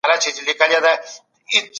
خلګ به د لويې جرګي ملاتړ وکړي.